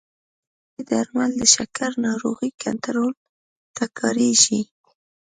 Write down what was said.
ځینې درمل د شکر ناروغۍ کنټرول ته کارېږي.